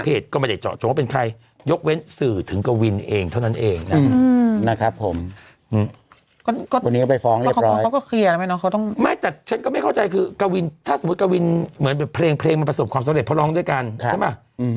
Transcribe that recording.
เพลงมันประสบความสำเร็จเพราะร้องด้วยกันใช่ไหม